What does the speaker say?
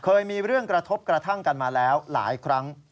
เคยมีเรื่องกระทบกระทั่งกันมาแล้วหลายครั้ง